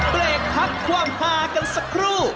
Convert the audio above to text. เบรกพักความหากันสักครู่